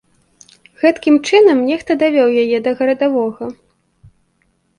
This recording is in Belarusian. Гэткім чынам нехта давёў яе да гарадавога.